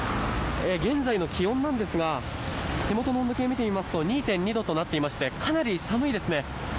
現在の気温なんですが手元の温度計を見てみると２．２度となっていてかなり寒いですね。